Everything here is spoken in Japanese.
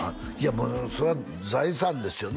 もうそれは財産ですよね